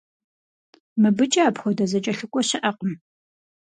Мыбыкӏэ апхуэдэ зэкӀэлъыкӀуэ щыӀэкъым.